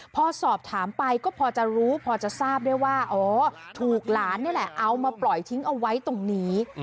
พอสอบถามไปก็พอจะรู้พอจะทราบได้ว่าอ๋อถูกหลานนี่แหละเอามาปล่อยทิ้งเอาไว้ตรงนี้